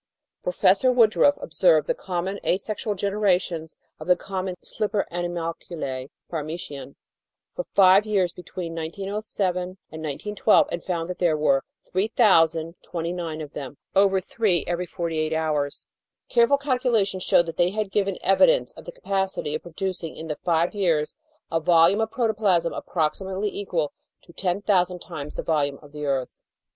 Professor Woodruff observed the common asexual generations of the com mon slipper animalcule (Paramecium) for five years between 1907 and 1912 and found that there were 3,029 of them, over three every forty eight hours. Careful calculation showed that they had given evidence of the capacity of producing in the five years a volume of protoplasm approximately equal to 10,000 times the volume of the earth.